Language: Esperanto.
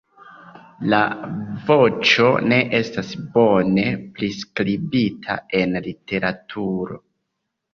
La voĉo ne estas bone priskribita en literaturo.